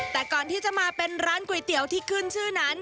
แต่ก่อนที่จะมาเป็นร้านก๋วยเตี๋ยวที่ขึ้นชื่อนั้น